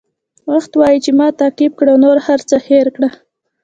وخت وایي چې ما تعقیب کړه نور هر څه هېر کړه.